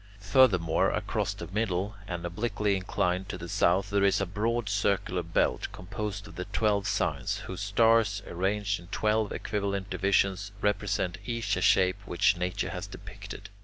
Furthermore, across the middle, and obliquely inclined to the south, there is a broad circular belt composed of the twelve signs, whose stars, arranged in twelve equivalent divisions, represent each a shape which nature has depicted.